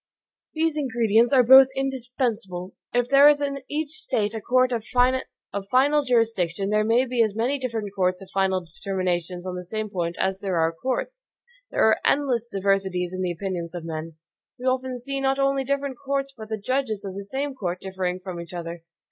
These ingredients are both indispensable. If there is in each State a court of final jurisdiction, there may be as many different final determinations on the same point as there are courts. There are endless diversities in the opinions of men. We often see not only different courts but the judges of the came court differing from each other.